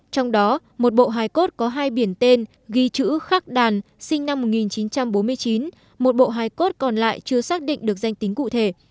trong đó một bộ hài cốt có hai biển tên ghi chữ khắc đàn sinh năm một nghìn chín trăm bốn mươi chín một bộ hài cốt còn lại chưa xác định được danh tính cụ thể